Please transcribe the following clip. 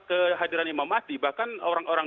kehadiran imamah bahkan orang orang